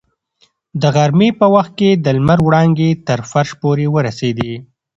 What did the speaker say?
د غرمې په وخت کې د لمر وړانګې تر فرش پورې ورسېدې.